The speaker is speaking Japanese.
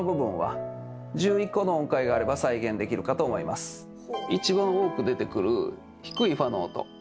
まず一番多く出てくる低いファの音。